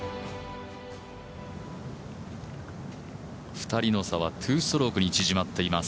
２人の差は２ストロークに縮まっています。